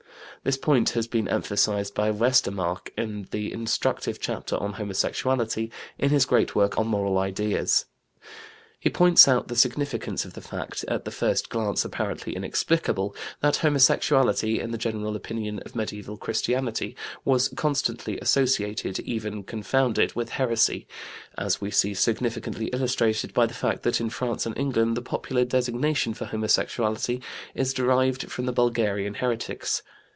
This point has been emphasized by Westermarck in the instructive chapter on homosexuality in his great work on Moral Ideas. He points out the significance of the fact, at the first glance apparently inexplicable, that homosexuality in the general opinion of medieval Christianity was constantly associated, even confounded, with heresy, as we see significantly illustrated by the fact that in France and England the popular designation for homosexuality is derived from the Bulgarian heretics.